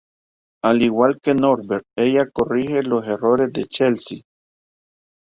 Al igual que Norbert ella corrige los errores de Chelsea.